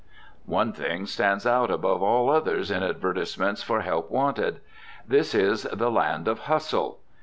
One thing stands out above all others in advertisements for help wanted. This is the land of hustle.